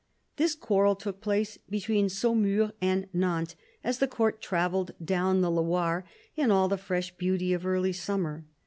This quarrel took place between Saumur and Nantes, as the Court travelled down the Loire in all the fresh beauty of early summer.